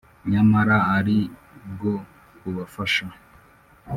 nyamara ari bwo bubafasha